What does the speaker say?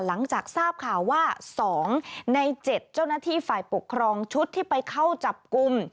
หลังจากทราบข่าวว่า๒ใน๗เจ้าหน้าที่ฝ่ายปกครองชุดที่ไปเข้าจับกลุ่ม